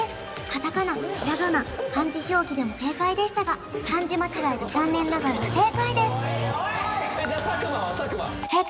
カタカナひらがな漢字表記でも正解でしたが漢字間違いで残念ながら不正解です・おいおい！